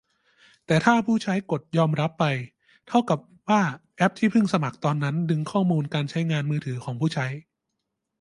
แต่ถ้าผู้ใช้กดยอมรับไป เท่ากับว่าแอปที่เพิ่งสมัครตอนนั้นดึงข้อมูลการใช้งานมือถือของผู้ใช้